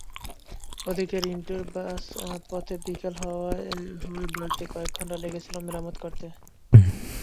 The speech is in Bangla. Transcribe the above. ওদিকে রিন্টুর বাস পথে বিকল হওয়ায় বাড়তি কয়েক ঘণ্টা লেগেছিল মেরামত করতে।